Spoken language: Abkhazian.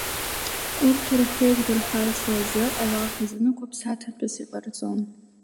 Урҭ рхы еиқәдырхарц азы ауаа хазынақәа ԥсаҭатәыс иҟарҵон.